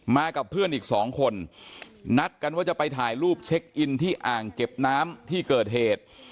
กับเพื่อนอีกสองคนนัดกันว่าจะไปถ่ายรูปเช็คอินที่อ่างเก็บน้ำที่เกิดเหตุ